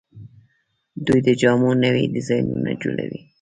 دوی د جامو نوي ډیزاینونه جوړوي.